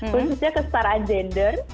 khususnya kestaraan gender